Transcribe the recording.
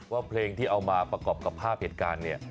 เพลงที่เอามาประกอบกับภาพเหตุการณ์เนี่ย